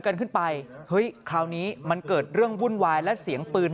กันขึ้นไปเฮ้ยคราวนี้มันเกิดเรื่องวุ่นวายและเสียงปืน